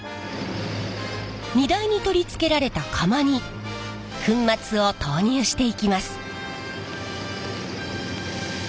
荷台に取り付けられた釜に粉末を投入していきます。